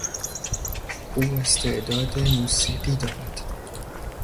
او استعداد موسیقی دارد.